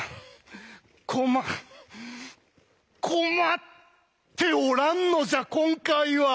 ま困っておらんのじゃ今回は！